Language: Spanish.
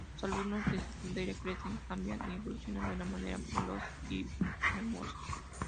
Los alumnos de secundaria crecen, cambian y evolucionan de una manera veloz y hermosa.